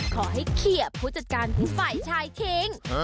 ขอให้เคลียร์ผู้จัดการของฝ่ายชายทิ้ง